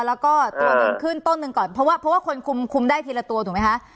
แล้วก็ตัวหนึ่งขึ้นต้นหนึ่งก่อนเพราะว่าเพราะว่าคนคุมได้ทีละตัวถูกไหมคะ